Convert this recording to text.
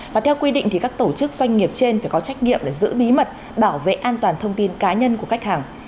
và theo quy định thì các tổ chức doanh nghiệp trên phải có trách nhiệm để giữ bí mật bảo vệ an toàn thông tin cá nhân của khách hàng